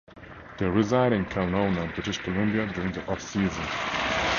They reside in Kelowna, British Columbia, during the off-season.